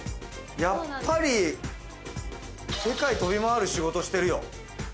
やっぱり世界飛び回る仕事してるよ。